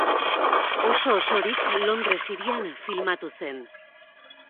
Oso-osorik Londres hirian filmatu zen.